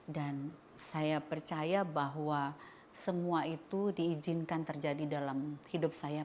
dan saya percaya bahwa semua itu diizinkan terjadi dalam hidup saya